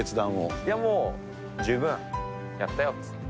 いやもう、十分やったよって。